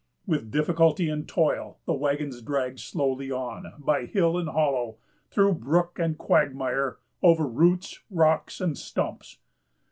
With difficulty and toil, the wagons dragged slowly on, by hill and hollow, through brook and quagmire, over roots, rocks, and stumps.